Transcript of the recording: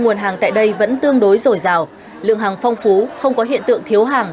nguồn hàng tại đây vẫn tương đối rổi rào lượng hàng phong phú không có hiện tượng thiếu hàng